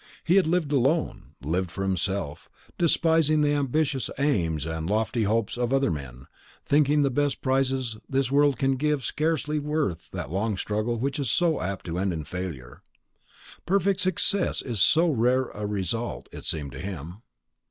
He had lived alone; lived for himself, despising the ambitious aims and lofty hopes of other men, thinking the best prizes this world can give scarcely worth that long struggle which is so apt to end in failure; perfect success was so rare a result, it seemed to him.